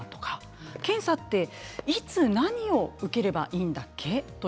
検査って、いつ何を受ければいいんだっけ。